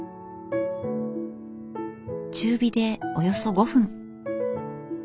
中火でおよそ５分。